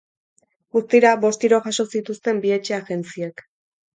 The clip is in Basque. Guztira, bost tiro jaso zituzten bi etxe agentziek.